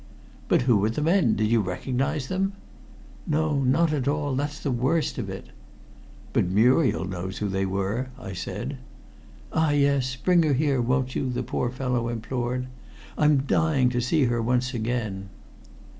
"But who were the men? Did you recognize them?" "No, not at all. That's the worst of it." "But Muriel knows who they were!" I said. "Ah, yes! Bring her here, won't you?" the poor fellow implored, "I'm dying to see her once again."